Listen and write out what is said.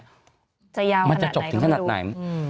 จะยาวขนาดไหนก็ไม่รู้มันจะจบถึงขนาดไหน